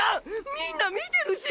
みんな見てるし！！